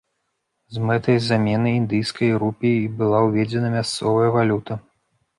З мэтай замены індыйскай рупіі і была ўведзена мясцовая валюта.